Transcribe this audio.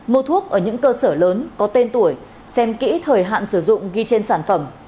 mua thuốc ở những cơ sở lớn có tên tuổi xem kỹ thời hạn sử dụng ghi trên sản phẩm